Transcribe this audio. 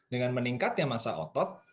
dengan meningkatnya masa otot